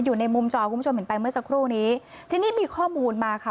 อยู่ในมุมจอคุณผู้ชมเห็นไปเมื่อสักครู่นี้ทีนี้มีข้อมูลมาค่ะ